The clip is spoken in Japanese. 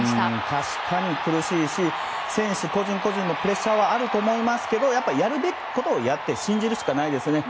確かに苦しいし選手個人個人もプレッシャーはあると思いますがやるべきことをやって信じるしかないですね。